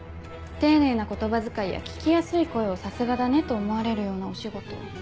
丁寧な言葉遣いや聞きやすい声を「さすがだね」と思われるようなお仕事。